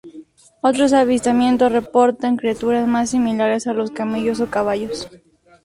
Otros avistamientos reportan criaturas más similares a los camellos o caballos.